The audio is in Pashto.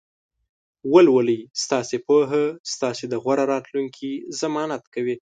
ولولئ! ستاسې پوهه ستاسې د غوره راتلونکي ضمانت کوي.